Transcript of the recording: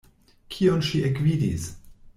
Kion ŝi ekvidis!